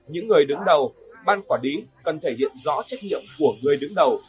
những người đứng đầu ban quả đí cần thể hiện rõ trách nhiệm của người đứng đầu